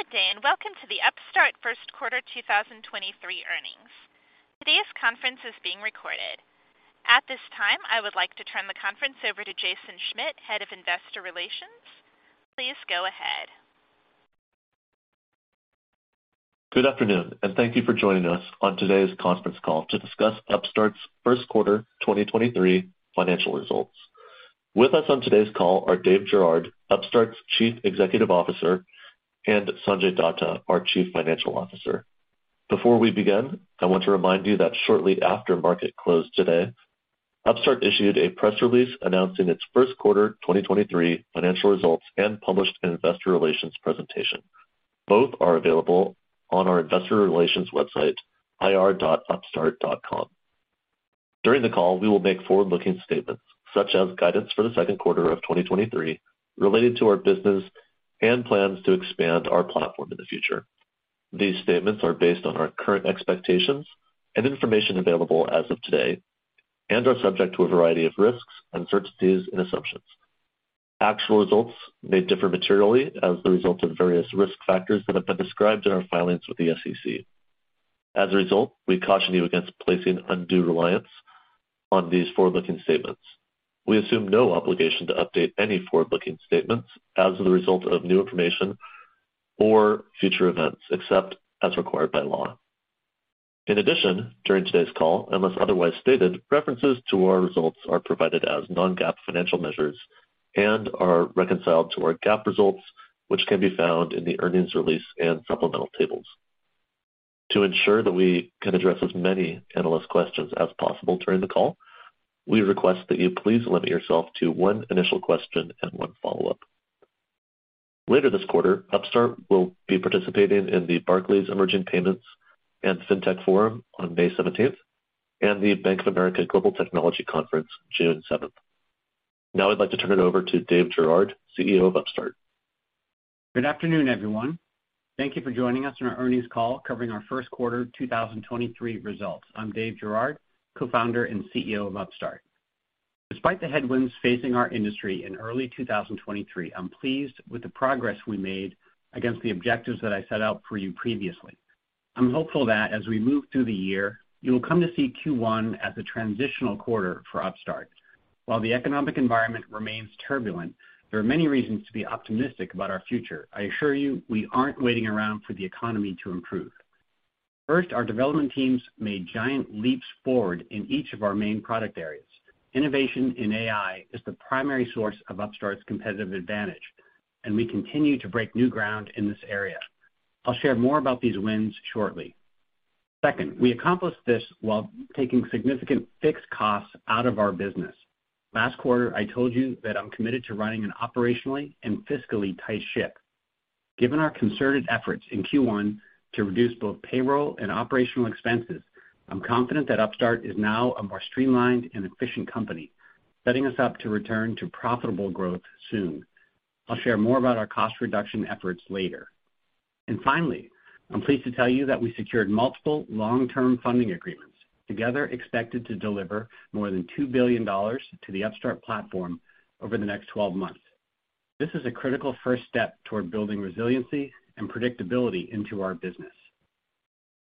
Good day, and welcome to the Upstart first quarter 2023 earnings. Today's conference is being recorded. At this time, I would like to turn the conference over to Jason Schmidt, Head of Investor Relations. Please go ahead. Good afternoon, thank you for joining us on today's conference call to discuss Upstart's first quarter 2023 financial results. With us on today's call are Dave Girouard, Upstart's Chief Executive Officer, and Sanjay Datta, our Chief Financial Officer. Before we begin, I want to remind you that shortly after market close today, Upstart issued a press release announcing its first quarter 2023 financial results and published an investor relations presentation. Both are available on our investor relations website, ir.upstart.com. During the call, we will make forward-looking statements such as guidance for the second quarter of 2023 related to our business and plans to expand our platform in the future. These statements are based on our current expectations and information available as of today, and are subject to a variety of risks, uncertainties, and assumptions. Actual results may differ materially as a result of various risk factors that have been described in our filings with the SEC. As a result, we caution you against placing undue reliance on these forward-looking statements. We assume no obligation to update any forward-looking statements as a result of new information or future events, except as required by law. In addition, during today's call, unless otherwise stated, references to our results are provided as non-GAAP financial measures and are reconciled to our GAAP results, which can be found in the earnings release and supplemental tables. To ensure that we can address as many analyst questions as possible during the call, we request that you please limit yourself to one initial question and one follow-up. Later this quarter, Upstart will be participating in the Barclays Emerging Payments & FinTech Forum on May 17th and the Bank of America Global Technology Conference June 7th. Now I'd like to turn it over to Dave Girouard, CEO of Upstart. Good afternoon, everyone. Thank you for joining us on our earnings call covering our first quarter 2023 results. I'm Dave Girouard, Co-Founder and CEO of Upstart. Despite the headwinds facing our industry in early 2023, I'm pleased with the progress we made against the objectives that I set out for you previously. I'm hopeful that as we move through the year, you will come to see Q1 as a transitional quarter for Upstart. While the economic environment remains turbulent, there are many reasons to be optimistic about our future. I assure you, we aren't waiting around for the economy to improve. First, our development teams made giant leaps forward in each of our main product areas. Innovation in AI is the primary source of Upstart's competitive advantage. We continue to break new ground in this area. I'll share more about these wins shortly. Second, we accomplished this while taking significant fixed costs out of our business. Last quarter, I told you that I'm committed to running an operationally and fiscally tight ship. Given our concerted efforts in Q1 to reduce both payroll and operational expenses, I'm confident that Upstart is now a more streamlined and efficient company, setting us up to return to profitable growth soon. I'll share more about our cost reduction efforts later. Finally, I'm pleased to tell you that we secured multiple long-term funding agreements, together expected to deliver more than $2 billion to the Upstart platform over the next 12 months. This is a critical first step toward building resiliency and predictability into our business.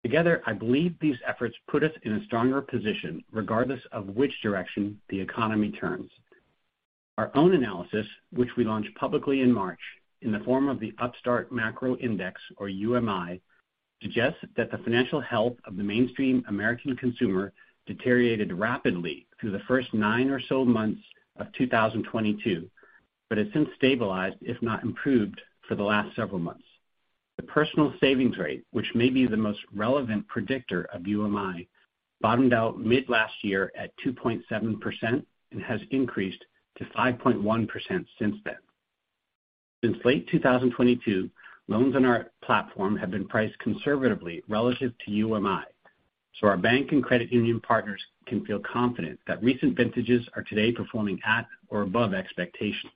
Together, I believe these efforts put us in a stronger position, regardless of which direction the economy turns. Our own analysis, which we launched publicly in March in the form of the Upstart Macro Index, or UMI, suggests that the financial health of the mainstream American consumer deteriorated rapidly through the first nine or so months of 2022, but has since stabilized, if not improved, for the last several months. The personal savings rate, which may be the most relevant predictor of UMI, bottomed out mid last year at 2.7% and has increased to 5.1% since then. Since late 2022, loans on our platform have been priced conservatively relative to UMI, so our bank and credit union partners can feel confident that recent vintages are today performing at or above expectations.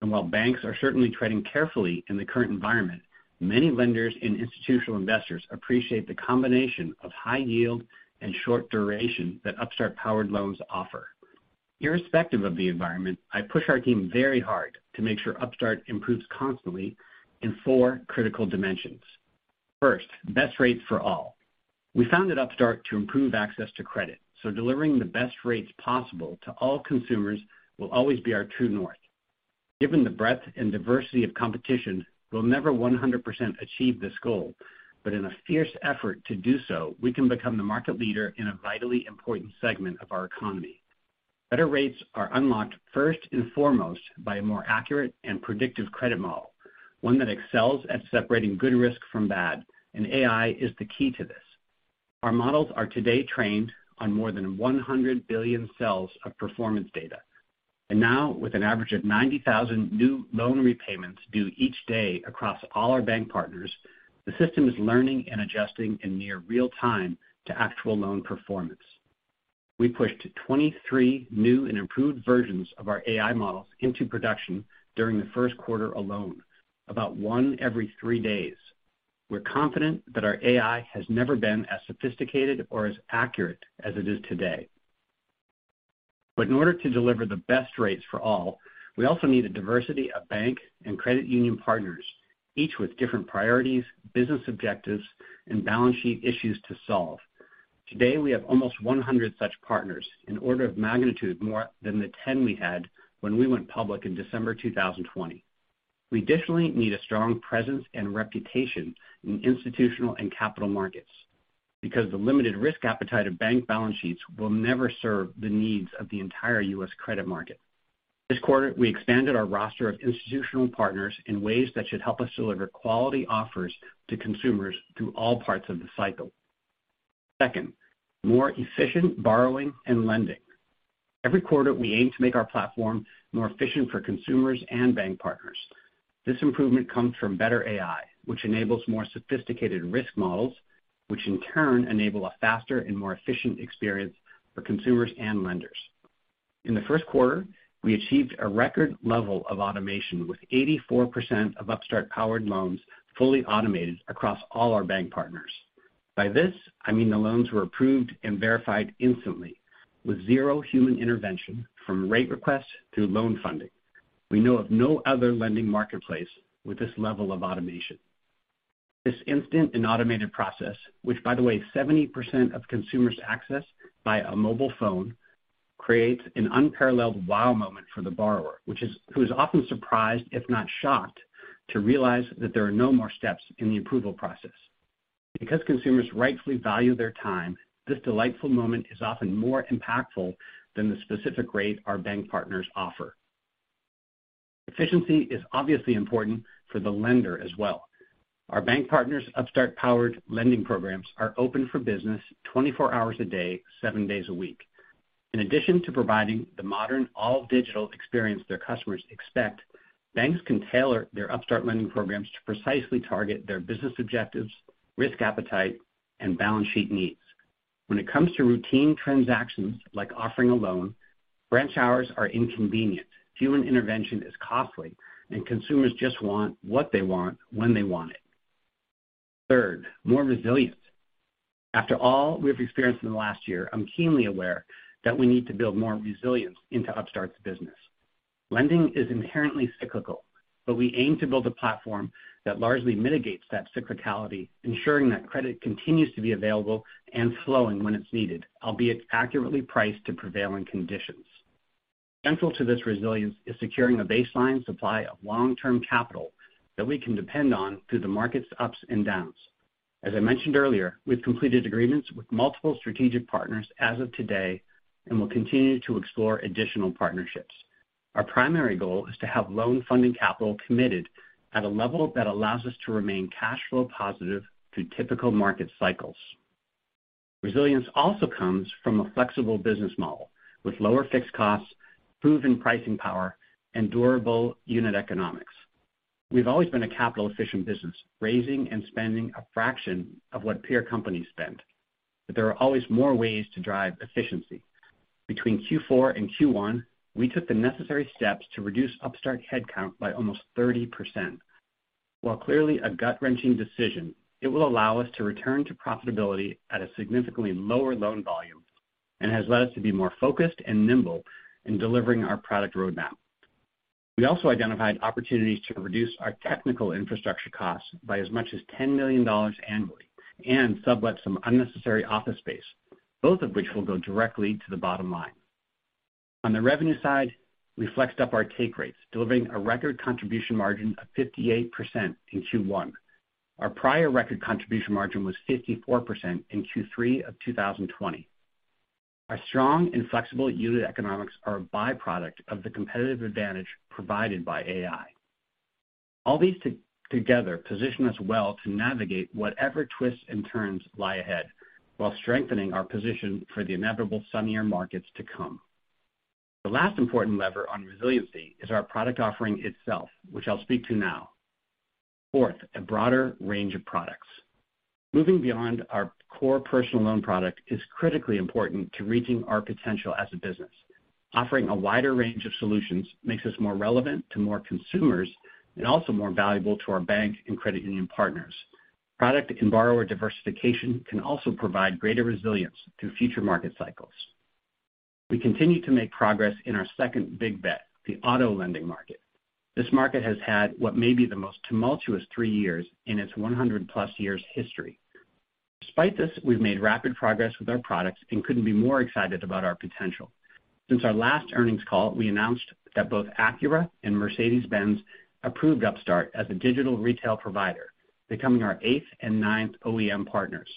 While banks are certainly treading carefully in the current environment, many lenders and institutional investors appreciate the combination of high yield and short duration that Upstart-powered loans offer. Irrespective of the environment, I push our team very hard to make sure Upstart improves constantly in four critical dimensions. First, best rates for all. We founded Upstart to improve access to credit, so delivering the best rates possible to all consumers will always be our true north. Given the breadth and diversity of competition, we'll never 100% achieve this goal. In a fierce effort to do so, we can become the market leader in a vitally important segment of our economy. Better rates are unlocked first and foremost by a more accurate and predictive credit model, one that excels at separating good risk from bad, and AI is the key to this. Our models are today trained on more than 100 billion cells of performance data. Now, with an average of 90,000 new loan repayments due each day across all our bank partners, the system is learning and adjusting in near real time to actual loan performance. We pushed 23 new and improved versions of our AI models into production during the first quarter alone, about one every three days. We're confident that our AI has never been as sophisticated or as accurate as it is today. In order to deliver the best rates for all, we also need a diversity of bank and credit union partners, each with different priorities, business objectives, and balance sheet issues to solve. Today, we have almost 100 such partners, an order of magnitude more than the 10 we had when we went public in December 2020. We additionally need a strong presence and reputation in institutional and capital markets because the limited risk appetite of bank balance sheets will never serve the needs of the entire U.S. credit market. This quarter, we expanded our roster of institutional partners in ways that should help us deliver quality offers to consumers through all parts of the cycle. Second, more efficient borrowing and lending. Every quarter, we aim to make our platform more efficient for consumers and bank partners. This improvement comes from better AI, which enables more sophisticated risk models, which in turn enable a faster and more efficient experience for consumers and lenders. In the first quarter, we achieved a record level of automation with 84% of Upstart-powered loans fully automated across all our bank partners. By this, I mean the loans were approved and verified instantly with zero human intervention from rate requests through loan funding. We know of no other lending marketplace with this level of automation. This instant and automated process, which by the way, 70% of consumers access via a mobile phone, creates an unparalleled wow moment for the borrower, who is often surprised, if not shocked, to realize that there are no more steps in the approval process. Because consumers rightfully value their time, this delightful moment is often more impactful than the specific rate our bank partners offer. Efficiency is obviously important for the lender as well. Our bank partners' Upstart-powered lending programs are open for business 24 hours a day, seven days a week. In addition to providing the modern all-digital experience their customers expect, banks can tailor their Upstart lending programs to precisely target their business objectives, risk appetite, and balance sheet needs. When it comes to routine transactions like offering a loan, branch hours are inconvenient, human intervention is costly, and consumers just want what they want when they want it. Third, more resilience. After all we've experienced in the last year, I'm keenly aware that we need to build more resilience into Upstart's business. Lending is inherently cyclical, but we aim to build a platform that largely mitigates that cyclicality, ensuring that credit continues to be available and flowing when it's needed, albeit accurately priced to prevailing conditions. Central to this resilience is securing a baseline supply of long-term capital that we can depend on through the market's ups and downs. As I mentioned earlier, we've completed agreements with multiple strategic partners as of today and will continue to explore additional partnerships. Our primary goal is to have loan funding capital committed at a level that allows us to remain cash flow positive through typical market cycles. Resilience also comes from a flexible business model with lower fixed costs, proven pricing power, and durable unit economics. We've always been a capital-efficient business, raising and spending a fraction of what peer companies spend, but there are always more ways to drive efficiency. Between Q4 and Q1, we took the necessary steps to reduce Upstart headcount by almost 30%. While clearly a gut-wrenching decision, it will allow us to return to profitability at a significantly lower loan volume and has led us to be more focused and nimble in delivering our product roadmap. We also identified opportunities to reduce our technical infrastructure costs by as much as $10 million annually and sublet some unnecessary office space, both of which will go directly to the bottom line. On the revenue side, we flexed up our take rates, delivering a record contribution margin of 58% in Q1. Our prior record contribution margin was 54% in Q3 of 2020. Our strong and flexible unit economics are a by-product of the competitive advantage provided by AI. All these together position us well to navigate whatever twists and turns lie ahead while strengthening our position for the inevitable sunnier markets to come. The last important lever on resiliency is our product offering itself, which I'll speak to now. Fourth, a broader range of products. Moving beyond our core personal loan product is critically important to reaching our potential as a business. Offering a wider range of solutions makes us more relevant to more consumers and also more valuable to our bank and credit union partners. Product and borrower diversification can also provide greater resilience through future market cycles. We continue to make progress in our second big bet, the auto lending market. This market has had what may be the most tumultuous three years in its 100 plus years history. Despite this, we've made rapid progress with our products and couldn't be more excited about our potential. Since our last earnings call, we announced that both Acura and Mercedes-Benz approved Upstart as a digital retail provider, becoming our eighth and ninth OEM partners.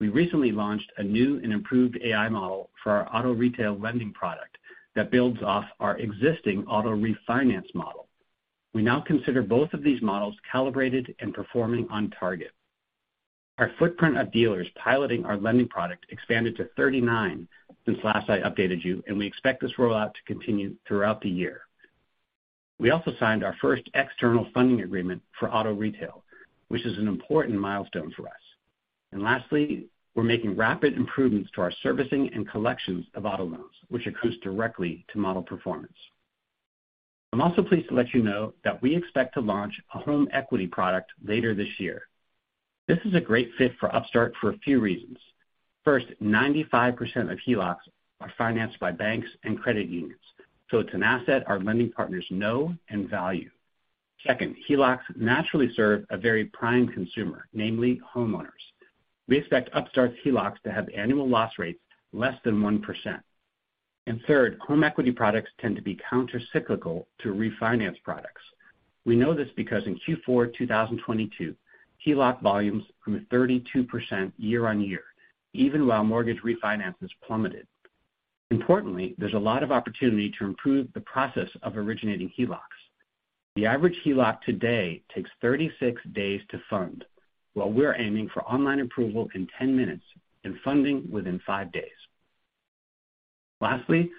We recently launched a new and improved AI model for our auto retail lending product that builds off our existing auto refinance model. We now consider both of these models calibrated and performing on target. Our footprint of dealers piloting our lending product expanded to 39 since last I updated you. We expect this rollout to continue throughout the year. We also signed our first external funding agreement for auto retail, which is an important milestone for us. Lastly, we're making rapid improvements to our servicing and collections of auto loans, which accrues directly to model performance. I'm also pleased to let you know that we expect to launch a home equity product later this year. This is a great fit for Upstart for a few reasons. First, 95% of HELOCs are financed by banks and credit unions. It's an asset our lending partners know and value. Second, HELOCs naturally serve a very prime consumer, namely homeowners. We expect Upstart's HELOCs to have annual loss rates less than 1%. Third, home equity products tend to be counter-cyclical to refinance products. We know this because in Q4 2022, HELOC volumes grew 32% year-on-year, even while mortgage refinances plummeted. Importantly, there's a lot of opportunity to improve the process of originating HELOCs. The average HELOC today takes 36 days to fund, while we're aiming for online approval in 10 minutes and funding within five days. Lastly,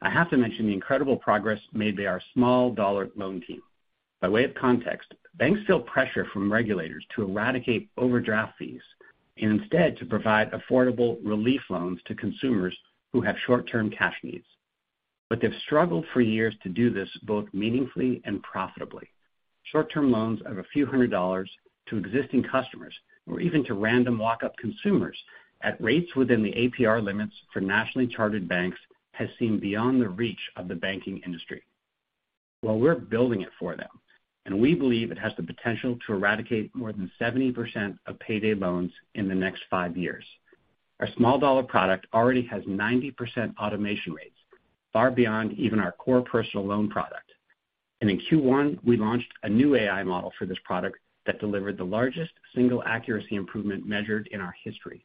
I have to mention the incredible progress made by our small dollar loan team. By way of context, banks feel pressure from regulators to eradicate overdraft fees and instead to provide affordable relief loans to consumers who have short-term cash needs. They've struggled for years to do this both meaningfully and profitably. Short-term loans of a few hundred dollars to existing customers or even to random walk-up consumers at rates within the APR limits for nationally chartered banks has seemed beyond the reach of the banking industry. Well, we're building it for them, and we believe it has the potential to eradicate more than 70% of payday loans in the next five years. Our small dollar product already has 90% automation rates, far beyond even our core personal loan product. In Q1 we launched a new AI model for this product that delivered the largest single accuracy improvement measured in our history.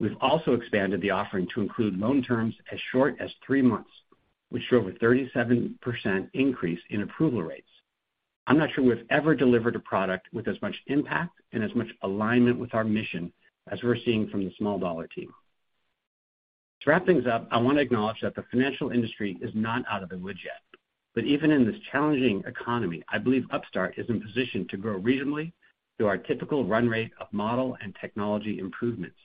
We've also expanded the offering to include loan terms as short as three months, which show over 37% increase in approval rates. I'm not sure we've ever delivered a product with as much impact and as much alignment with our mission as we're seeing from the small dollar team. To wrap things up, I want to acknowledge that the financial industry is not out of the woods yet. Even in this challenging economy, I believe Upstart is in position to grow reasonably through our typical run rate of model and technology improvements.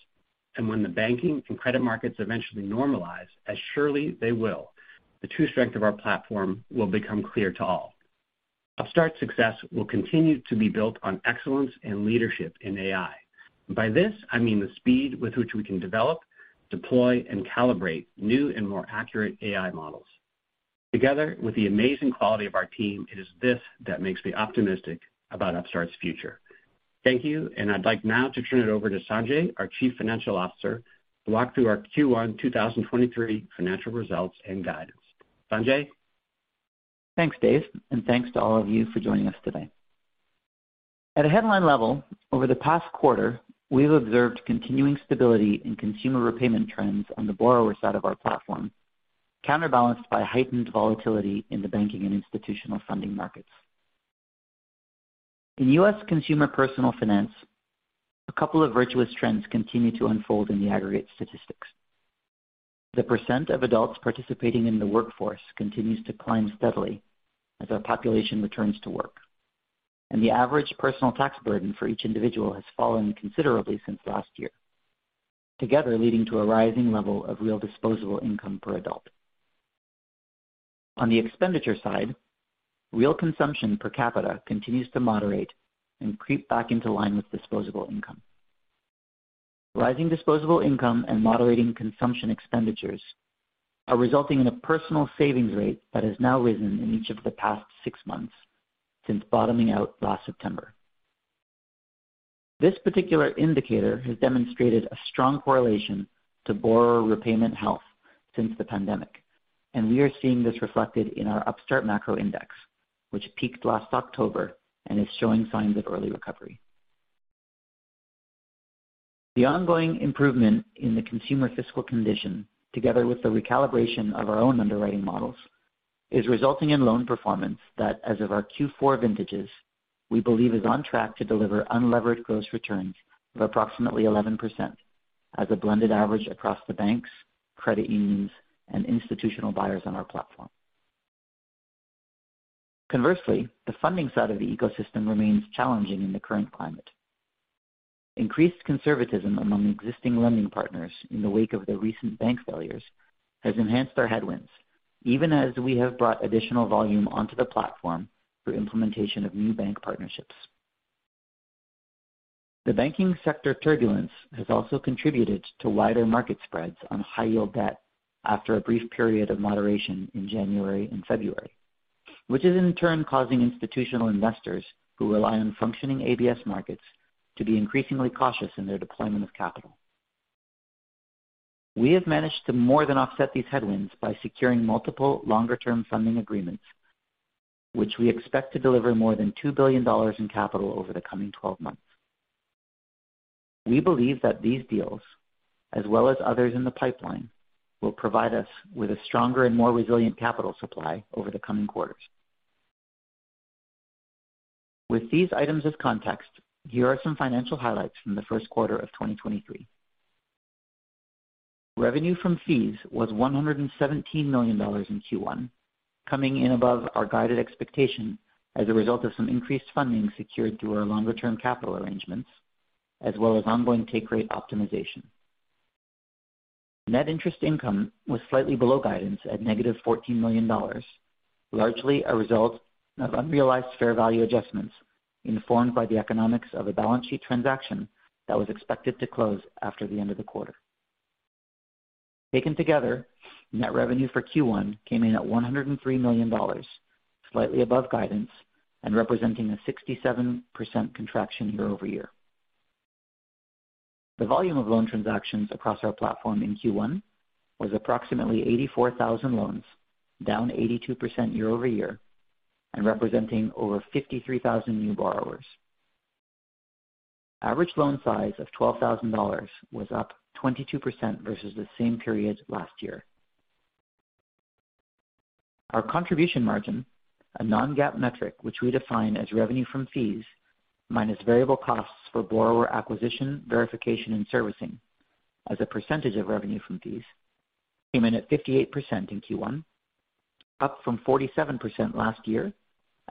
When the banking and credit markets eventually normalize, as surely they will, the true strength of our platform will become clear to all. Upstart's success will continue to be built on excellence and leadership in AI. By this, I mean the speed with which we can develop, deploy, and calibrate new and more accurate AI models. Together with the amazing quality of our team, it is this that makes me optimistic about Upstart's future. Thank you, and I'd like now to turn it over to Sanjay, our Chief Financial Officer, to walk through our Q1 2023 financial results and guidance. Sanjay. Thanks, Dave, and thanks to all of you for joining us today. At a headline level, over the past quarter, we've observed continuing stability in consumer repayment trends on the borrower side of our platform, counterbalanced by heightened volatility in the banking and institutional funding markets. In U.S. consumer personal finance, a couple of virtuous trends continue to unfold in the aggregate statistics. The percent of adults participating in the workforce continues to climb steadily as our population returns to work, and the average personal burden for each individual has fallen considerably since last year, together leading to a rising level of real disposable income per adult. On the expenditure side, real consumption per capita continues to moderate and creep back into line with disposable income. Rising disposable income and moderating consumption expenditures are resulting in a personal savings rate that has now risen in each of the past six months since bottoming out last September. This particular indicator has demonstrated a strong correlation to borrower repayment health since the pandemic, and we are seeing this reflected in our Upstart Macro Index, which peaked last October and is showing signs of early recovery. The ongoing improvement in the consumer fiscal condition, together with the recalibration of our own underwriting models, is resulting in loan performance that, as of our Q4 vintages, we believe is on track to deliver unlevered gross returns of approximately 11% as a blended average across the banks, credit unions, and institutional buyers on our platform. Conversely, the funding side of the ecosystem remains challenging in the current climate. Increased conservatism among existing lending partners in the wake of the recent bank failures has enhanced our headwinds, even as we have brought additional volume onto the platform through implementation of new bank partnerships. The banking sector turbulence has also contributed to wider market spreads on high yield debt after a brief period of moderation in January and February, which is in turn causing institutional investors who rely on functioning ABS markets to be increasingly cautious in their deployment of capital. We have managed to more than offset these headwinds by securing multiple longer-term funding agreements, which we expect to deliver more than $2 billion in capital over the coming 12 months. We believe that these deals, as well as others in the pipeline, will provide us with a stronger and more resilient capital supply over the coming quarters. With these items as context, here are some financial highlights from the first quarter of 2023. Revenue from fees was $117 million in Q1, coming in above our guided expectation as a result of some increased funding secured through our longer term capital arrangements, as well as ongoing take rate optimization. Net interest income was slightly below guidance at negative $14 million, largely a result of unrealized fair value adjustments informed by the economics of a balance sheet transaction that was expected to close after the end of the quarter. Taken together, net revenue for Q1 came in at $103 million, slightly above guidance and representing a 67% contraction year-over-year. The volume of loan transactions across our platform in Q1 was approximately 84,000 loans, down 82% year-over-year and representing over 53,000 new borrowers. Average loan size of $12,000 was up 22% versus the same period last year. Our contribution margin, a non-GAAP metric which we define as revenue from fees minus variable costs for borrower acquisition, verification and servicing as a percentage of revenue from fees, came in at 58% in Q1, up from 47% last year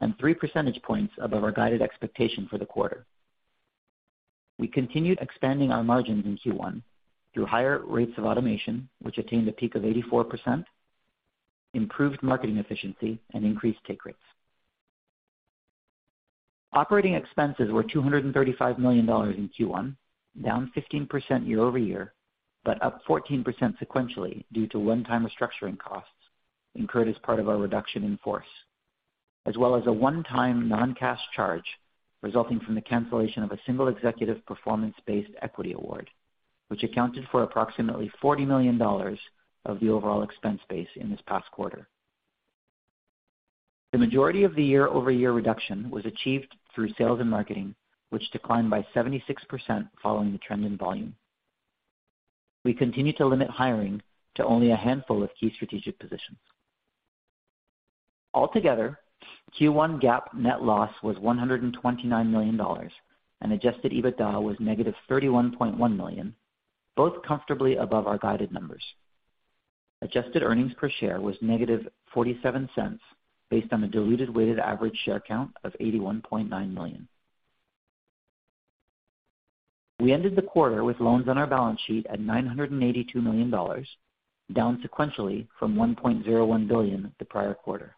and three percentage points above our guided expectation for the quarter. We continued expanding our margins in Q1 through higher rates of automation, which attained a peak of 84%, improved marketing efficiency and increased take rates. Operating expenses were $235 million in Q1, down 15% year-over-year, up 14% sequentially due to one-time restructuring costs incurred as part of our reduction in force, as well as a one-time non-cash charge resulting from the cancellation of a single executive performance-based equity award, which accounted for approximately $40 million of the overall expense base in this past quarter. The majority of the year-over-year reduction was achieved through sales and marketing, which declined by 76% following the trend in volume. We continue to limit hiring to only a handful of key strategic positions. Altogether, Q1 GAAP net loss was $129 million and adjusted EBITDA was negative $31.1 million, both comfortably above our guided numbers. Adjusted earnings per share was -$0.47 based on the diluted weighted average share count of 81.9 million. We ended the quarter with loans on our balance sheet at $982 million, down sequentially from $1.01 billion the prior quarter.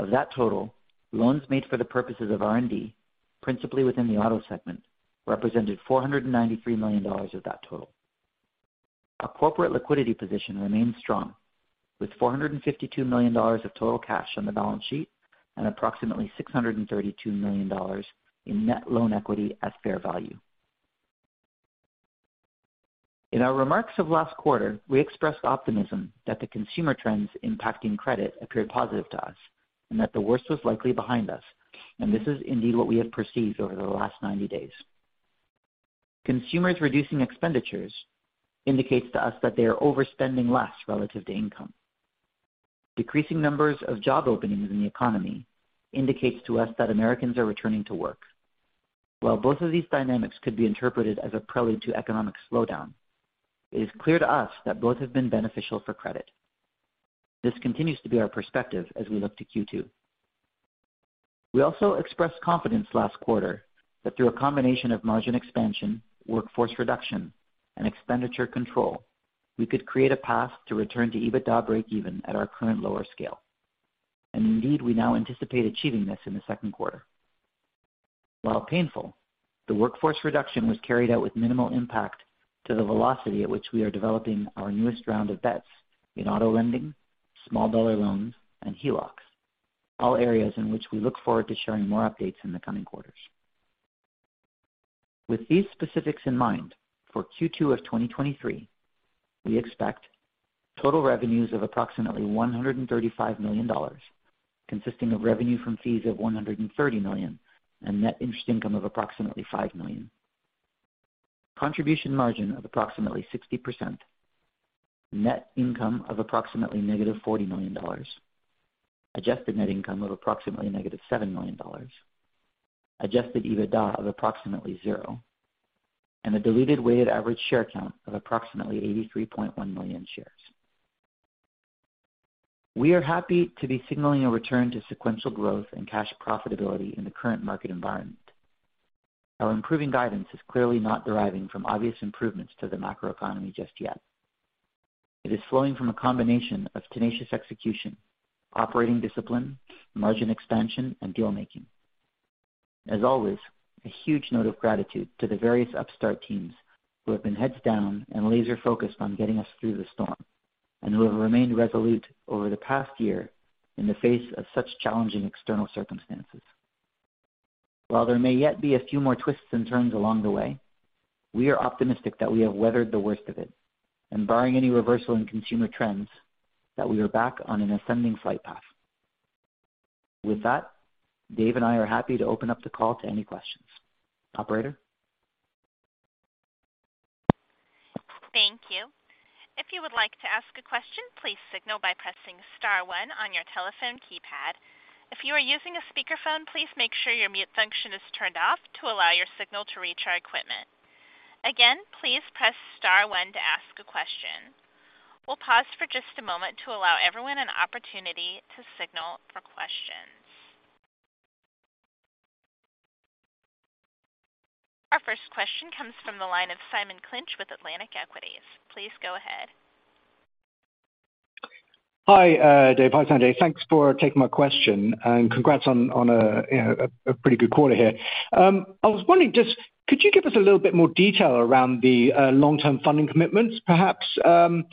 Of that total, loans made for the purposes of R&D, principally within the auto segment, represented $493 million of that total. Our corporate liquidity position remains strong, with $452 million of total cash on the balance sheet and approximately $632 million in net loan equity at fair value. In our remarks of last quarter, we expressed optimism that the consumer trends impacting credit appeared positive to us and that the worst was likely behind us. This is indeed what we have perceived over the last 90 days. Consumers reducing expenditures indicates to us that they are overspending less relative to income. Decreasing numbers of job openings in the economy indicates to us that Americans are returning to work. While both of these dynamics could be interpreted as a prelude to economic slowdown, it is clear to us that both have been beneficial for credit. This continues to be our perspective as we look to Q2. We also expressed confidence last quarter that through a combination of margin expansion, workforce reduction, and expenditure control, we could create a path to return to EBITDA breakeven at our current lower scale. Indeed, we now anticipate achieving this in the second quarter. While painful, the workforce reduction was carried out with minimal impact to the velocity at which we are developing our newest round of bets in auto lending, small dollar loans, and HELOCs, all areas in which we look forward to sharing more updates in the coming quarters. With these specifics in mind, for Q2 of 2023, we expect total revenues of approximately $135 million, consisting of revenue from fees of $130 million and net interest income of approximately $5 million. Contribution margin of approximately 60%. Net income of approximately negative $40 million. Adjusted net income of approximately negative $7 million. Adjusted EBITDA of approximately zero, and a diluted weighted average share count of approximately 83.1 million shares. We are happy to be signaling a return to sequential growth and cash profitability in the current market environment. Our improving guidance is clearly not deriving from obvious improvements to the macroeconomy just yet. It is flowing from a combination of tenacious execution, operating discipline, margin expansion, and deal making. As always, a huge note of gratitude to the various Upstart teams who have been heads down and laser focused on getting us through the storm and who have remained resolute over the past year in the face of such challenging external circumstances. While there may yet be a few more twists and turns along the way, we are optimistic that we have weathered the worst of it and barring any reversal in consumer trends that we are back on an ascending flight path. With that, Dave and I are happy to open up the call to any questions. Operator. Thank you. If you would like to ask a question, please signal by pressing star one on your telephone keypad. If you are using a speakerphone, please make sure your mute function is turned off to allow your signal to reach our equipment. Again, please press star one to ask a question. We'll pause for just a moment to allow everyone an opportunity to signal for questions. Our first question comes from the line of Simon Clinch with Atlantic Equities. Please go ahead. Hi, Dave. Hi, Sanjay. Thanks for taking my question, and congrats on, you know, a pretty good quarter here. I was wondering just could you give us a little bit more detail around the long-term funding commitments perhaps, and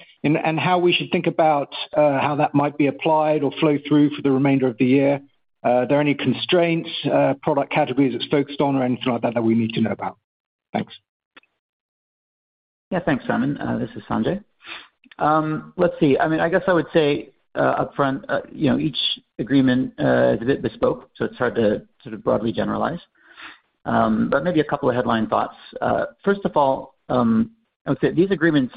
how we should think about how that might be applied or flow through for the remainder of the year. Are there any constraints, product categories it's focused on or anything like that we need to know about? Thanks. Yeah. Thanks, Simon. This is Sanjay. Let's see. I mean, I guess I would say, upfront, you know, each agreement is a bit bespoke, so it's hard to sort of broadly generalize. Maybe a couple of headline thoughts. First of all, I would say these agreements,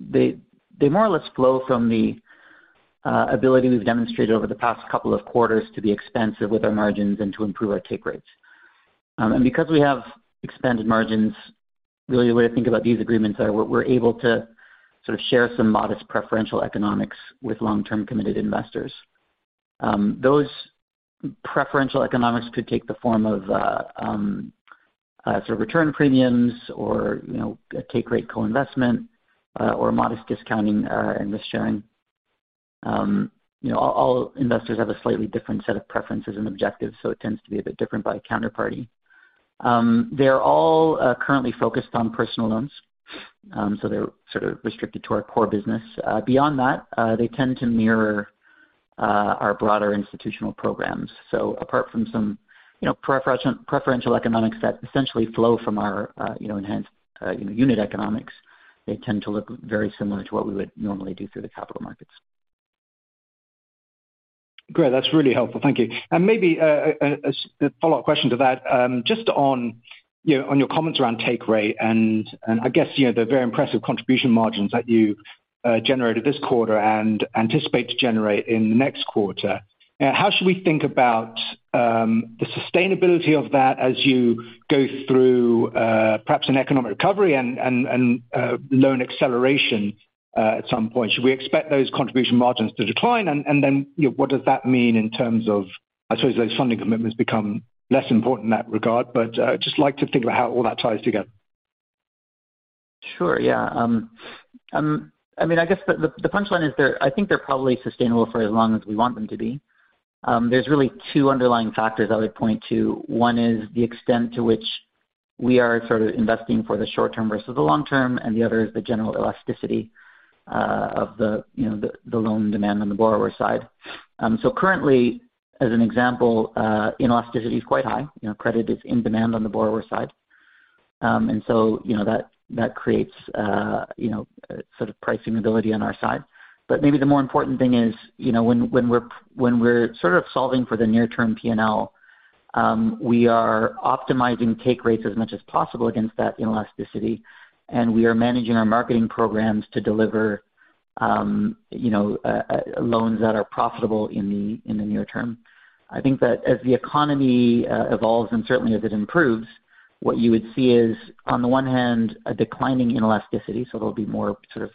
they more or less flow from the ability we've demonstrated over the past couple of quarters to be expansive with our margins and to improve our take rates. Because we have expanded margins, really the way to think about these agreements are we're able to sort of share some modest preferential economics with long-term committed investors. Those preferential economics could take the form of sort of return premiums or, you know, a take rate co-investment or modest discounting and risk-sharing. You know, all investors have a slightly different set of preferences and objectives, so it tends to be a bit different by counterparty. They're all currently focused on personal loans, so they're sort of restricted to our core business. Beyond that, they tend to mirror our broader institutional programs. Apart from some, you know, preferential economics that essentially flow from our, you know, enhanced, you know, unit economics, they tend to look very similar to what we would normally do through the capital markets. Great. That's really helpful. Thank you. Maybe a follow-up question to that. Just on, you know, on your comments around take rate and I guess, you know, the very impressive contribution margins that you generated this quarter and anticipate to generate in the next quarter. How should we think about the sustainability of that as you go through, perhaps an economic recovery and loan acceleration, at some point? Should we expect those contribution margins to decline? Then, you know, what does that mean in terms of, I suppose, those funding commitments become less important in that regard. Just like to think about how all that ties together. Sure, yeah. I mean, I guess the punchline is I think they're probably sustainable for as long as we want them to be. There's really two underlying factors I would point to. One is the extent to which we are sort of investing for the short term versus the long term, and the other is the general elasticity of the, you know, the loan demand on the borrower side. Currently, as an example, inelasticity is quite high. You know, credit is in demand on the borrower side. You know, that creates, you know, sort of pricing ability on our side. Maybe the more important thing is, you know, when we're sort of solving for the near-term P&L, we are optimizing take rates as much as possible against that inelasticity, and we are managing our marketing programs to deliver, you know, loans that are profitable in the near term. As the economy evolves and certainly as it improves, what you would see is, on the one hand, a declining inelasticity, so there'll be more sort of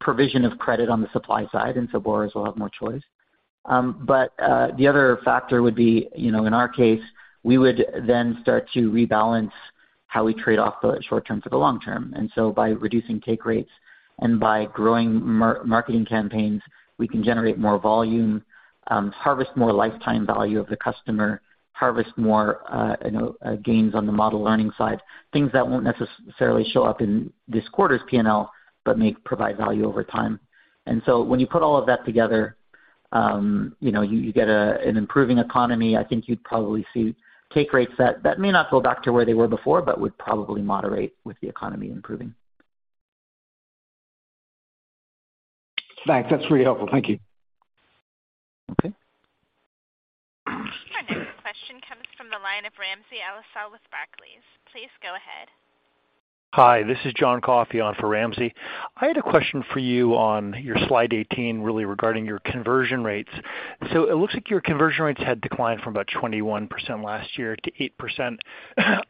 provision of credit on the supply side, and so borrowers will have more choice. The other factor would be, you know, in our case, we would then start to rebalance how we trade off the short term for the long term. By reducing take rates and by growing marketing campaigns, we can generate more volume, harvest more lifetime value of the customer, harvest more, you know, gains on the model learning side, things that won't necessarily show up in this quarter's P&L but may provide value over time. When you put all of that together, you know, you get an improving economy. I think you'd probably see take rates that may not go back to where they were before but would probably moderate with the economy improving. Thanks. That's really helpful. Thank you. Okay. Our next question comes from the line of Ramsey El-Assal with Barclays. Please go ahead. Hi, this is John Coffey on for Ramsey. I had a question for you on your slide 18, really regarding your conversion rates. It looks like your conversion rates had declined from about 21% last year to 8%.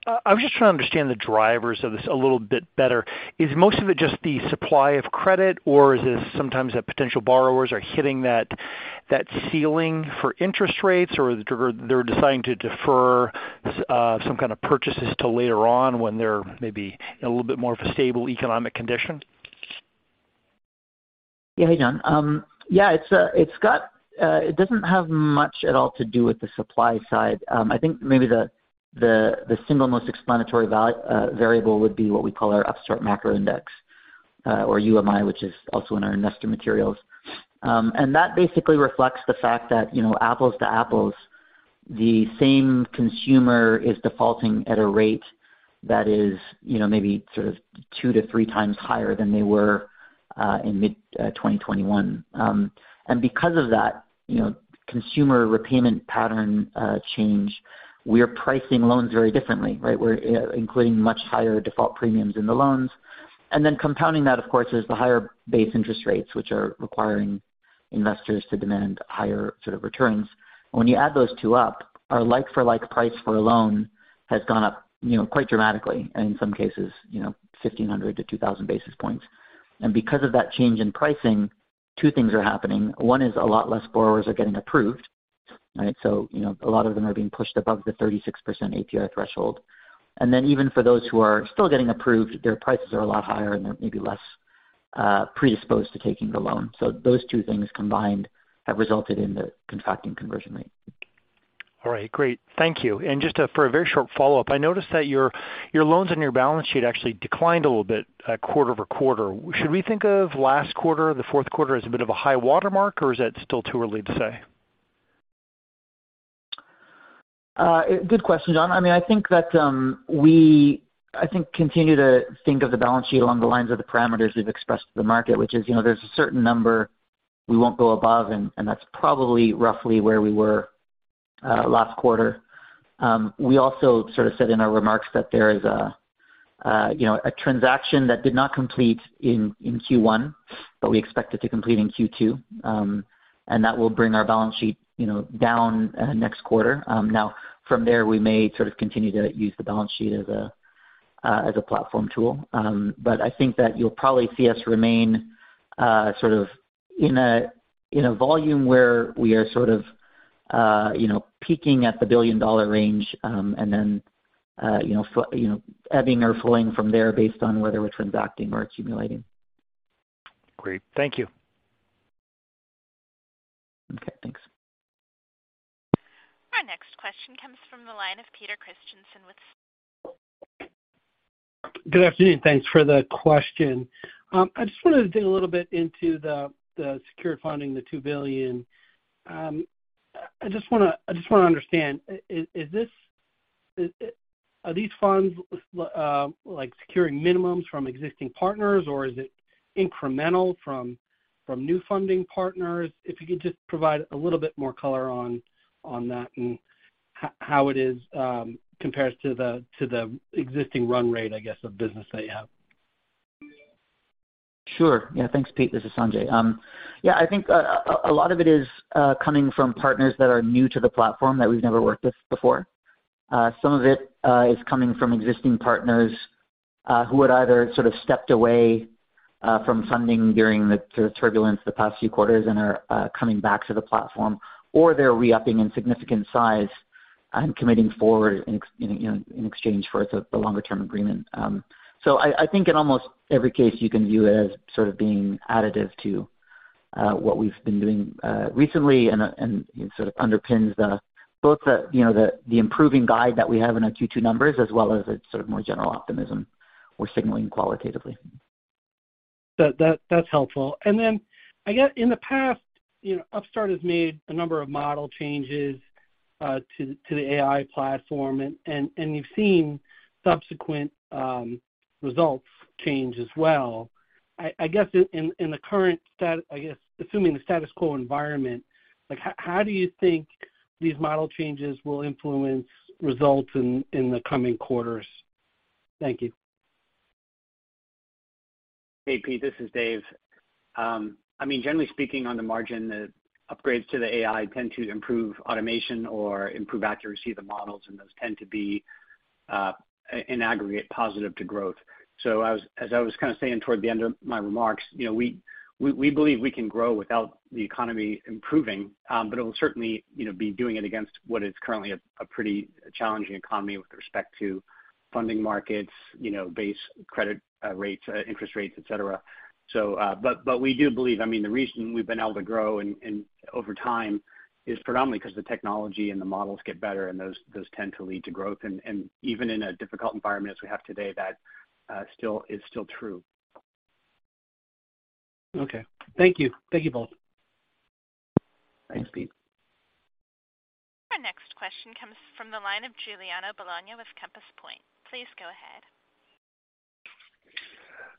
I was just trying to understand the drivers of this a little bit better. Is most of it just the supply of credit, or is this sometimes that potential borrowers are hitting that ceiling for interest rates or they're deciding to defer some kind of purchases till later on when they're maybe in a little bit more of a stable economic condition? Yeah. Hey, John. Yeah, it doesn't have much at all to do with the supply side. I think maybe the single most explanatory variable would be what we call our Upstart Macro Index or UMI, which is also in our investor materials. That basically reflects the fact that, you know, apples to apples, the same consumer is defaulting at a rate that is, you know, maybe sort of two to three times higher than they were in mid 2021. Because of that, you know, consumer repayment pattern change, we're pricing loans very differently, right? We're including much higher default premiums in the loans. Compounding that, of course, is the higher base interest rates, which are requiring investors to demand higher sort of returns. When you add those two up, our like-for-like price for a loan has gone up, you know, quite dramatically, and in some cases, you know, 1,500 to 2,000 basis points. Because of that change in pricing, two things are happening. One is a lot less borrowers are getting approved. Right. You know, a lot of them are being pushed above the 36% APR threshold. Even for those who are still getting approved, their prices are a lot higher and they're maybe less predisposed to taking the loan. Those two things combined have resulted in the contracting conversion rate. All right, great. Thank you. Just, for a very short follow-up, I noticed that your loans on your balance sheet actually declined a little bit, quarter-over-quarter. Should we think of last quarter, the fourth quarter as a bit of a high watermark, or is that still too early to say? Good question, John. I mean, I think that, we, I think, continue to think of the balance sheet along the lines of the parameters we've expressed to the market, which is, you know, there's a certain number we won't go above, and that's probably roughly where we were last quarter. We also sort of said in our remarks that there is a, you know, a transaction that did not complete in Q1, but we expect it to complete in Q2. That will bring our balance sheet, you know, down next quarter. Now, from there, we may sort of continue to use the balance sheet as a, as a platform tool. I think that you'll probably see us remain, sort of in a, in a volume where we are sort of, you know, peaking at the billion-dollar range, and then, you know, ebbing or flowing from there based on whether we're transacting or accumulating. Great. Thank you. Okay. Thanks. Our next question comes from the line of Peter Christiansen with . Good afternoon. Thanks for the question. I just wanted to dig a little bit into the secured funding, the $2 billion. I just wanna understand, are these funds, like securing minimums from existing partners, or is it incremental from new funding partners? If you could just provide a little bit more color on that and how it is, compares to the, to the existing run rate, I guess of business that you have. Sure. Thanks, Peter. This is Sanjay. I think a lot of it is coming from partners that are new to the platform that we've never worked with before. Some of it is coming from existing partners who had either sort of stepped away from funding during the sort of turbulence the past few quarters and are coming back to the platform or they're re-upping in significant size and committing forward, you know, in exchange for a longer-term agreement. I think in almost every case, you can view it as sort of being additive to what we've been doing recently and sort of underpins both the, you know, the improving guide that we have in our Q2 numbers as well as its sort of more general optimism we're signaling qualitatively. That's helpful. Then I guess in the past, you know, Upstart has made a number of model changes to the AI platform and you've seen subsequent results change as well. I guess assuming the status quo environment, like how do you think these model changes will influence results in the coming quarters? Thank you. Hey, Peter, this is Dave. I mean, generally speaking on the margin, the upgrades to the AI tend to improve automation or improve accuracy of the models, and those tend to be in aggregate positive to growth. As I was kinda saying toward the end of my remarks, you know, we believe we can grow without the economy improving, but it will certainly, you know, be doing it against what is currently a pretty challenging economy with respect to funding markets, you know, base credit, rates, interest rates, et cetera. But we do believe, I mean, the reason we've been able to grow and over time is predominantly 'cause the technology and the models get better, and those tend to lead to growth. Even in a difficult environment as we have today, that is still true. Okay. Thank you. Thank you both. Thanks, Peter. Our next question comes from the line of Giuliano Bologna with Compass Point. Please go ahead.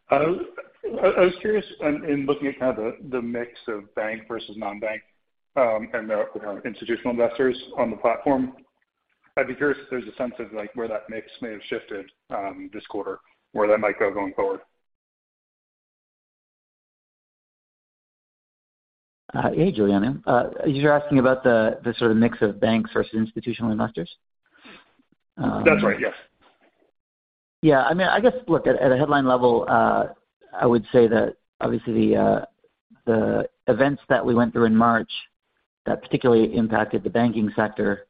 I was curious in looking at kind of the mix of bank versus non-bank, and the, you know, institutional investors on the platform. I'd be curious if there's a sense of like where that mix may have shifted this quarter, where that might go going forward. hey, Giuliano. you're asking about the sort of mix of banks versus institutional investors? That's right, yes. I mean, I guess, look, at a, at a headline level, I would say that obviously the events that we went through in March that particularly impacted the banking sector,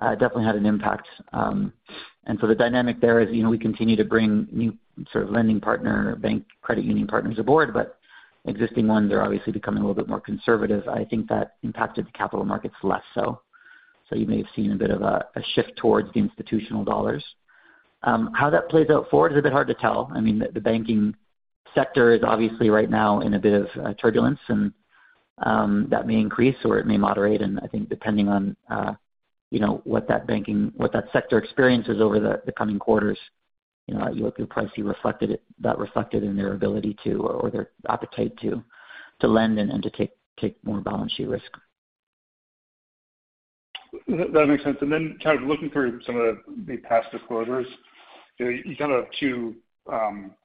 definitely had an impact. The dynamic there is, you know, we continue to bring new sort of lending partner, bank credit union partners aboard, but existing ones are obviously becoming a little bit more conservative. I think that impacted the capital markets less so. You may have seen a bit of a shift towards the institutional dollars. How that plays out forward is a bit hard to tell. I mean, the banking sector is obviously right now in a bit of turbulence, and that may increase or it may moderate. I think depending on, you know, what that banking, what that sector experiences over the coming quarters, you know, you'll probably see that reflected in their ability to or their appetite to lend and to take more balance sheet risk. That makes sense. Kind of looking through some of the past disclosures, you know, you kind of have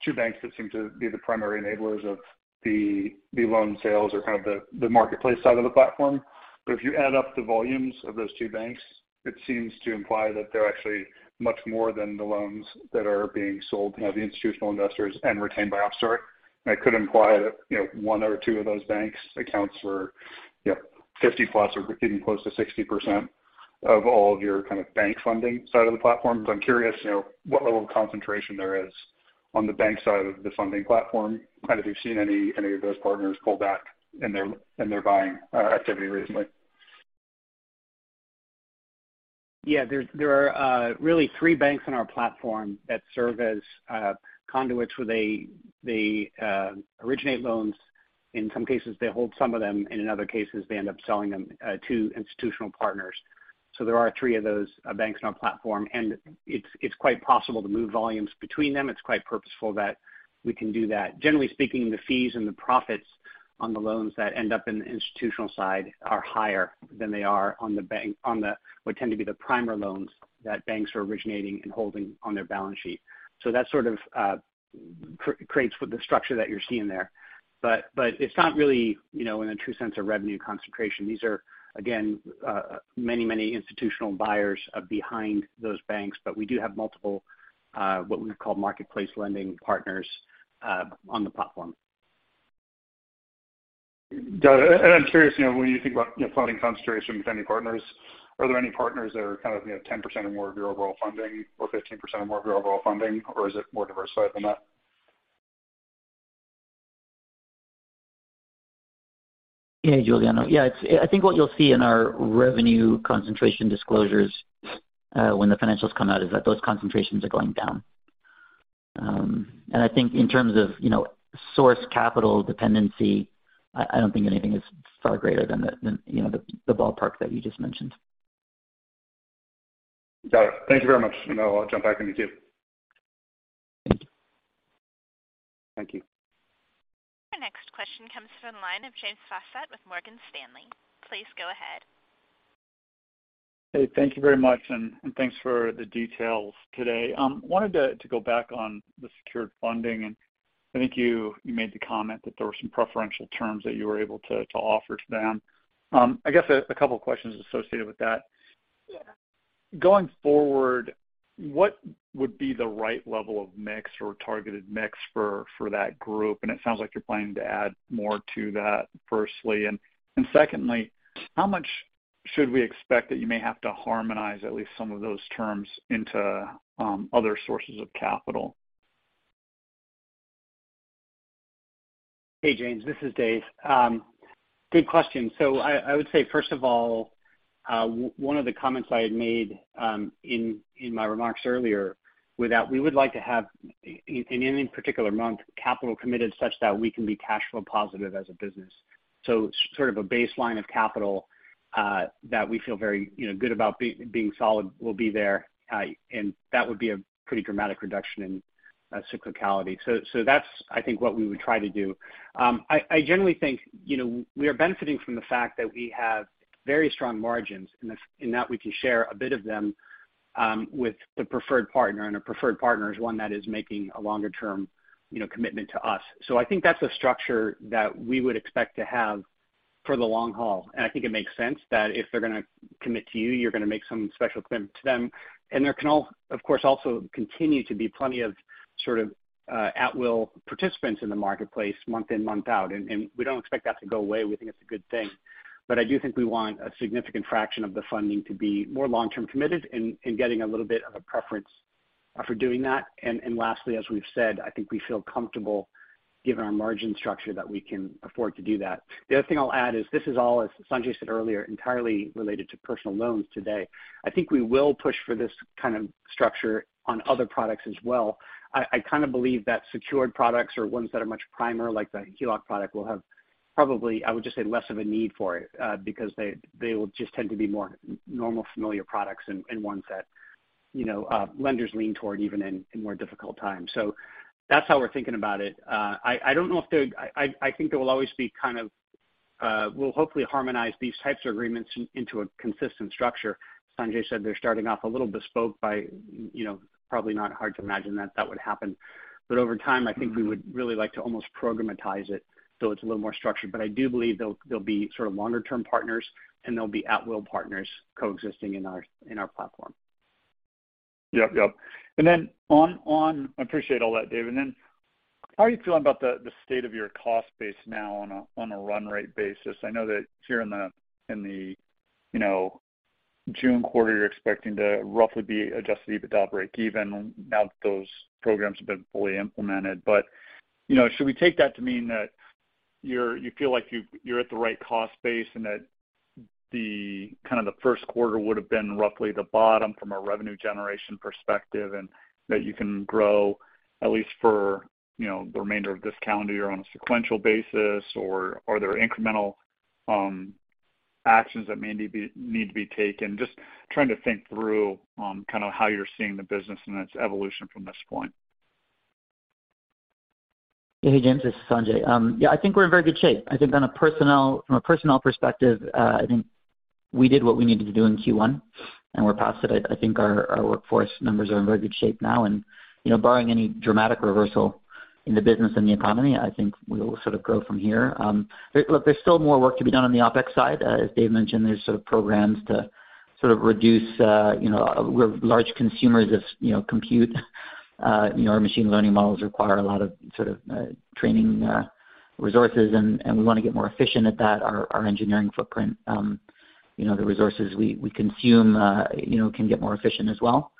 two banks that seem to be the primary enablers of the loan sales or kind of the marketplace side of the platform. If you add up the volumes of those two banks, it seems to imply that they're actually much more than the loans that are being sold to the institutional investors and retained by Upstart. It could imply that, you know, one or two of those banks accounts for, you know, 50+ or getting close to 60% of all of your kind of bank funding side of the platform. I'm curious, you know, what level of concentration there is on the bank side of the funding platform, kind of if you've seen any of those partners pull back in their buying activity recently? Yeah. There's, there are really three banks on our platform that serve as conduits where they originate loans. In some cases, they hold some of them. In other cases, they end up selling them to institutional partners. There are three of those banks on our platform, and it's quite possible to move volumes between them. It's quite purposeful that we can do that. Generally speaking, the fees and the profits on the loans that end up in the institutional side are higher than they are on the bank on the what tend to be the primer loans that banks are originating and holding on their balance sheet. That sort of creates with the structure that you're seeing there. It's not really, you know, in a true sense a revenue concentration. These are, again, many institutional buyers behind those banks. We do have multiple, what we would call marketplace lending partners on the platform. Got it. I'm curious, you know, when you think about, you know, funding concentration with any partners, are there any partners that are kind of, you know, 10% or more of your overall funding or 15% or more of your overall funding, or is it more diversified than that? Giuliano. I think what you'll see in our revenue concentration disclosures, when the financials come out, is that those concentrations are going down. I think in terms of, you know, source capital dependency, I don't think anything is far greater than, you know, the ballpark that you just mentioned. Got it. Thank you very much. I'll jump back in the queue. Thank you. Thank you. Our next question comes from the line of James Faucette with Morgan Stanley. Please go ahead. Hey. Thank you very much, and thanks for the details today. wanted to go back on the secured funding, and I think you made the comment that there were some preferential terms that you were able to offer to them. I guess a couple questions associated with that. Going forward, what would be the right level of mix or targeted mix for that group? It sounds like you're planning to add more to that, firstly. Secondly, how much should we expect that you may have to harmonize at least some of those terms into other sources of capital? Hey, James. This is Dave. Good question. I would say, first of all, one of the comments I had made in my remarks earlier was that we would like to have in any particular month, capital committed such that we can be cash flow positive as a business. Sort of a baseline of capital that we feel very, you know, good about being solid will be there. That would be a pretty dramatic reduction in cyclicality. That's, I think, what we would try to do. I generally think, you know, we are benefiting from the fact that we have very strong margins in that we can share a bit of them, with the preferred partner, and a preferred partner is one that is making a longer term, you know, commitment to us. I think that's a structure that we would expect to have for the long haul. I think it makes sense that if they're gonna commit to you're gonna make some special commitment to them. There can of course, also continue to be plenty of sort of, at will participants in the marketplace month in, month out, and we don't expect that to go away. We think it's a good thing. I do think we want a significant fraction of the funding to be more long term committed and getting a little bit of a preference for doing that. Lastly, as we've said, I think we feel comfortable given our margin structure that we can afford to do that. The other thing I'll add is this is all, as Sanjay said earlier, entirely related to personal loans today. I think we will push for this kind of structure on other products as well. I kind of believe that secured products or ones that are much primer like the HELOC product will have probably, I would just say, less of a need for it because they will just tend to be more normal familiar products and ones that, you know, lenders lean toward even in more difficult times. That's how we're thinking about it. I think there will always be kind of, We'll hopefully harmonize these types of agreements into a consistent structure. Sanjay said they're starting off a little bespoke by, you know, probably not hard to imagine that that would happen. Over time, I think we would really like to almost programatize it so it's a little more structured. I do believe there'll be sort of longer term partners, and there'll be at will partners coexisting in our platform. Yep. Yep. I appreciate all that, Dave. How are you feeling about the state of your cost base now on a run rate basis? I know that here in the June quarter, you know, you're expecting to roughly be adjusted EBITDA break even now that those programs have been fully implemented. You know, should we take that to mean that you're at the right cost base and that the kind of the first quarter would have been roughly the bottom from a revenue generation perspective, and that you can grow at least for, you know, the remainder of this calendar year on a sequential basis? Are there incremental actions that may need to be taken? Just trying to think through, kind of how you're seeing the business and its evolution from this point. Hey, James. This is Sanjay. Yeah, I think we're in very good shape. I think from a personnel perspective, I think we did what we needed to do in Q1, and we're past it. I think our workforce numbers are in very good shape now. You know, barring any dramatic reversal in the business and the economy, I think we will sort of grow from here. Look, there's still more work to be done on the OpEx side. As Dave mentioned, there's sort of programs to sort of reduce, you know, we're large consumers of, you know, compute. You know, our machine learning models require a lot of sort of training resources and we wanna get more efficient at that. Our engineering footprint, you know, the resources we consume, you know, can get more efficient as well.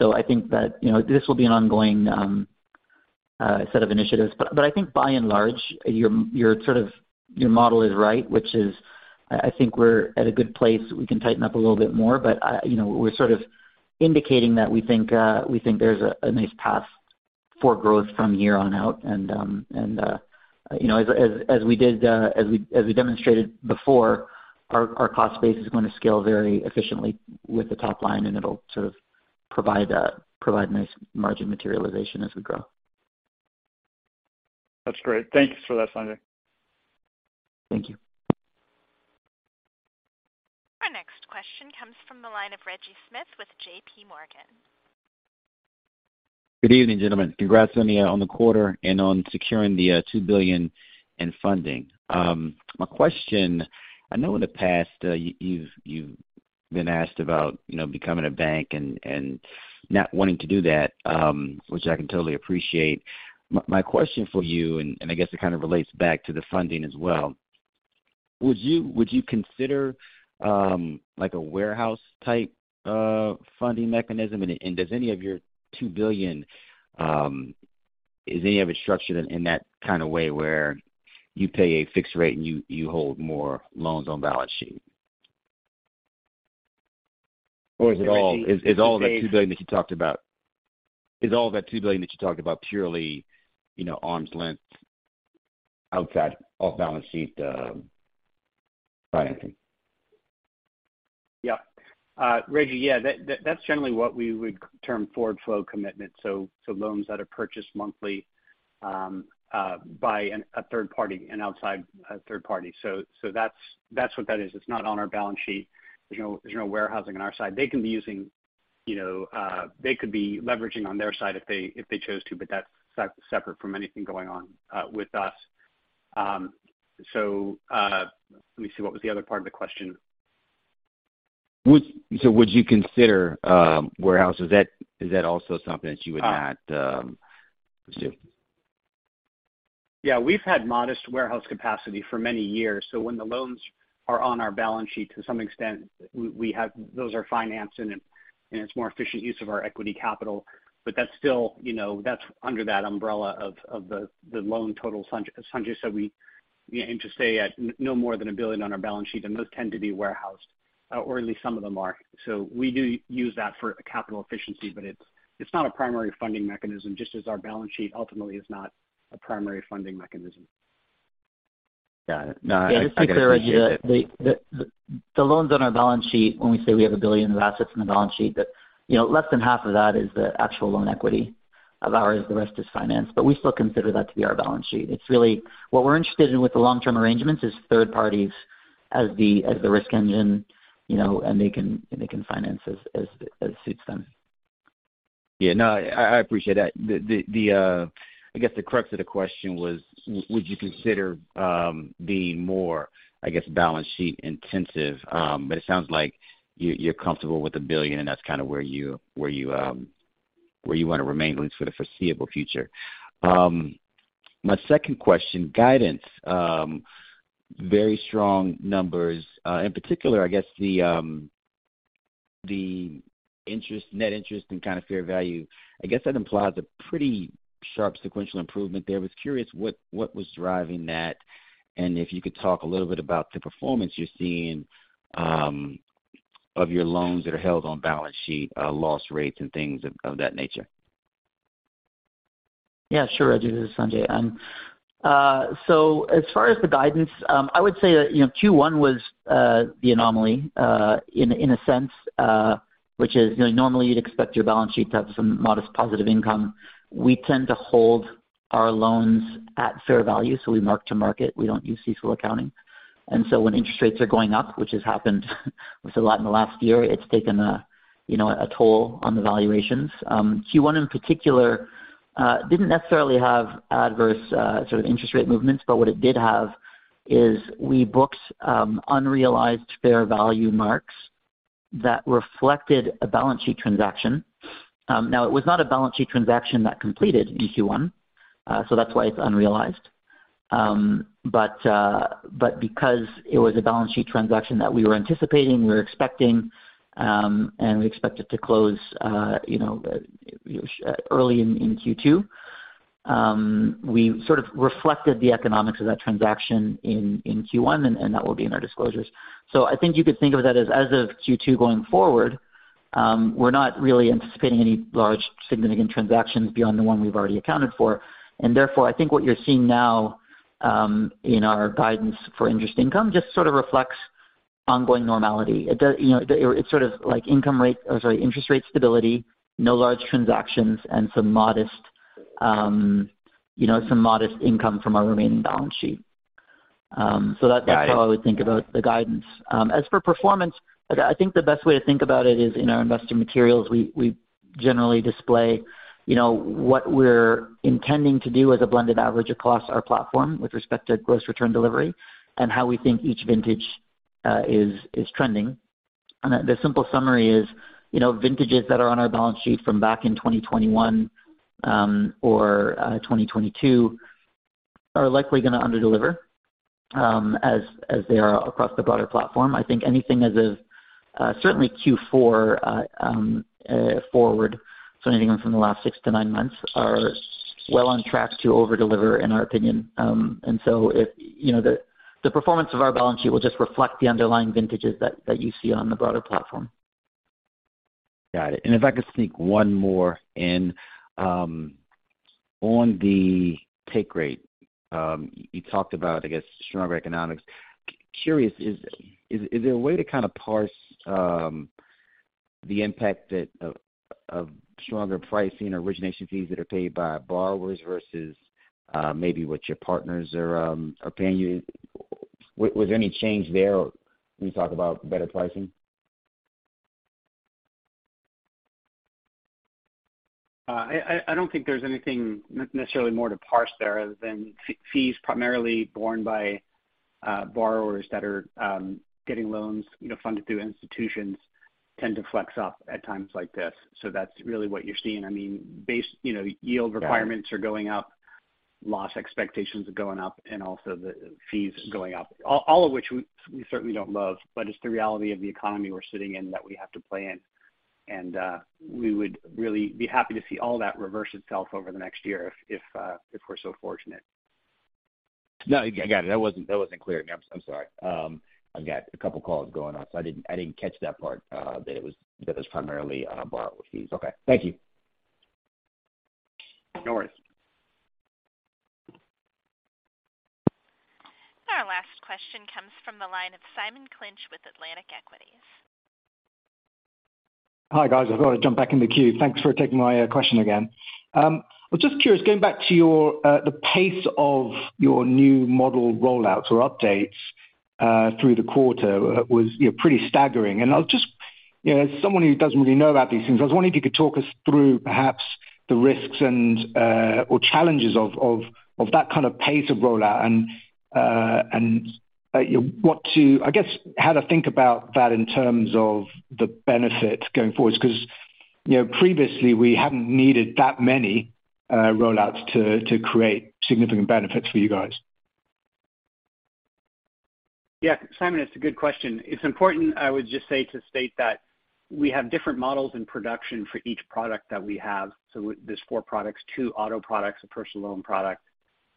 I think that, you know, this will be an ongoing set of initiatives. I think by and large, your sort of, your model is right, which is I think we're at a good place. We can tighten up a little bit more, but I, you know, we're sort of indicating that we think there's a nice path for growth from here on out. You know, as we did, as we demonstrated before, our cost base is gonna scale very efficiently with the top line, and it'll sort of provide nice margin materialization as we grow. That's great. Thank you for that, Sanjay. Thank you. Our next question comes from the line of Reggie Smith with J.P. Morgan. Good evening, gentlemen. Congrats on the quarter and on securing the $2 billion in funding. My question, I know in the past, you've been asked about, you know, becoming a bank and not wanting to do that, which I can totally appreciate. My question for you and I guess it kinda relates back to the funding as well, would you consider, like, a warehouse type of funding mechanism? Does any of your $2 billion, is any of it structured in that kinda way, where you pay a fixed rate and you hold more loans on balance sheet? Is it all-? Is all of that $2 billion that you talked about purely, you know, arm's length outside, off-balance sheet, financing? Yeah. Reggie, yeah. That's generally what we would term forward flow commitment, so loans that are purchased monthly, by a third party, an outside third party. That's what that is. It's not on our balance sheet. There's no warehousing on our side. They can be using, you know, they could be leveraging on their side if they chose to, but that's separate from anything going on with us. let me see. What was the other part of the question? Would you consider warehouse? Is that also something that you would not pursue? Yeah. We've had modest warehouse capacity for many years. When the loans are on our balance sheet to some extent, we have, those are financed and it's more efficient use of our equity capital, but that's still, you know, that's under that umbrella of the loan total Sanjay said we aim to stay at no more than $1 billion on our balance sheet, and those tend to be warehoused, or at least some of them are. We do use that for capital efficiency, but it's not a primary funding mechanism, just as our balance sheet ultimately is not a primary funding mechanism. Got it. No, I appreciate it. Yeah. Just to be clear, Reggie, the loans on our balance sheet, when we say we have $1 billion of assets on the balance sheet that, you know, less than half of that is the actual loan equity of ours. The rest is financed. We still consider that to be our balance sheet. It's really... What we're interested in with the long-term arrangements is third parties as the risk engine, you know, and they can finance as suits them. Yeah, no. I appreciate that. The, I guess the crux of the question was would you consider, being more, I guess, balance sheet intensive? But it sounds like you're comfortable with $1 billion, and that's kinda where you wanna remain at least for the foreseeable future. My second question, guidance. Very strong numbers. In particular, I guess the net interest and kinda fair value. I guess that implies a pretty sharp sequential improvement there. Was curious what was driving that, and if you could talk a little bit about the performance you're seeing, of your loans that are held on balance sheet, loss rates and things of that nature. Yeah, sure, Reggie. This is Sanjay. As far as the guidance, I would say that, you know, Q1 was the anomaly in a sense, which is, you know, normally you'd expect your balance sheet to have some modest positive income. We tend to hold our loans at fair value, so we mark to market. We don't use CECL accounting. When interest rates are going up, which has happened with a lot in the last year, it's taken a, you know, a toll on the valuations. Q1 in particular, didn't necessarily have adverse sort of interest rate movements, but what it did have is we booked unrealized fair value marks that reflected a balance sheet transaction. It was not a balance sheet transaction that completed in Q1, so that's why it's unrealized. Because it was a balance sheet transaction that we were anticipating, we were expecting, and we expect it to close, you know, early in Q2, we sort of reflected the economics of that transaction in Q1, and that will be in our disclosures. I think you could think of that as of Q2 going forward, we're not really anticipating any large significant transactions beyond the one we've already accounted for. Therefore, I think what you're seeing now, in our guidance for interest income just sort of reflects ongoing normality. It does, you know, it's sort of like interest rate stability, no large transactions, and some modest, you know, some modest income from our remaining balance sheet. Got it. -that's how I would think about the guidance. As for performance, I think the best way to think about it is in our investor materials, we generally display, you know, what we're intending to do as a blended average across our platform with respect to gross return delivery and how we think each vintage is trending. The simple summary is, you know, vintages that are on our balance sheet from back in 2021, or 2022 are likely gonna underdeliver, as they are across the broader platform. I think anything as of certainly Q4 forward, so anything from the last six to nine months are well on track to overdeliver, in our opinion. If, you know, the performance of our balance sheet will just reflect the underlying vintages that you see on the broader platform. Got it. If I could sneak one more in. On the take rate, you talked about, I guess, stronger economics. Curious, is there a way to kinda parse the impact that of stronger pricing or origination fees that are paid by borrowers versus maybe what your partners are paying you? Was any change there when you talk about better pricing? I don't think there's anything necessarily more to parse there other than fees primarily borne by borrowers that are getting loans, you know, funded through institutions tend to flex up at times like this. That's really what you're seeing. I mean, base, you know, yield requirements are going up, loss expectations are going up, and also the fees going up. All of which we certainly don't love, but it's the reality of the economy we're sitting in that we have to play in. We would really be happy to see all that reverse itself over the next year if we're so fortunate. No, I got it. That wasn't clear to me. I'm sorry. I've got a couple calls going on, so I didn't catch that part, that it was primarily on a borrow fees. Okay. Thank you. No worries. Our last question comes from the line of Simon Clinch with Atlantic Equities. Hi, guys. I've got to jump back in the queue. Thanks for taking my question again. I was just curious, going back to your the pace of your new model rollouts or updates through the quarter was, you know, pretty staggering. You know, as someone who doesn't really know about these things, I was wondering if you could talk us through perhaps the risks and or challenges of that kind of pace of rollout and I guess, how to think about that in terms of the benefit going forwards. 'Cause, you know, previously we haven't needed that many rollouts to create significant benefits for you guys. Yeah. Simon, it's a good question. It's important, I would just say, to state that we have different models in production for each product that we have. There's four products, two auto products, a personal loan product,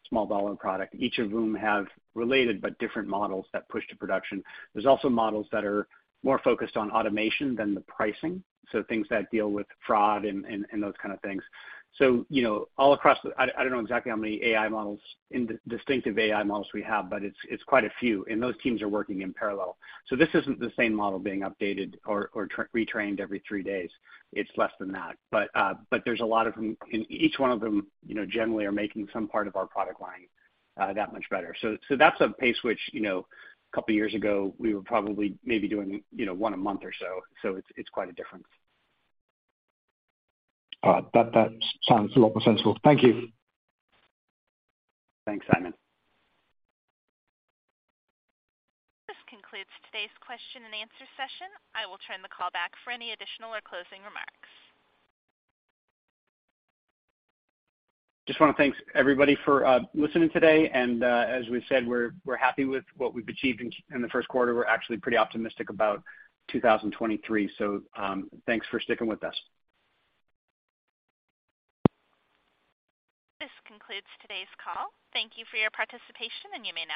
small dollar product, each of whom have related but different models that push to production. There's also models that are more focused on automation than the pricing, so things that deal with fraud and those kind of things. You know, all across the... I don't know exactly how many AI models and distinctive AI models we have, but it's quite a few, and those teams are working in parallel. This isn't the same model being updated or retrained every three days. It's less than that. There's a lot of them, and each one of them, you know, generally are making some part of our product line, that much better. That's a pace which, you know, a couple years ago we were probably maybe doing, you know, one a month or so it's quite a difference. All right. That sounds a lot more sensible. Thank you. Thanks, Simon. This concludes today's question and answer session. I will turn the call back for any additional or closing remarks. Just wanna thank everybody for listening today. As we've said, we're happy with what we've achieved in the first quarter. We're actually pretty optimistic about 2023. Thanks for sticking with us. This concludes today's call. Thank you for your participation, and you may disconnect.